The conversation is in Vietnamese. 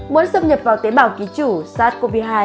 mới xâm nhập vào tế bào ký chủ sars cov hai